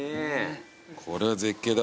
これは絶景だ。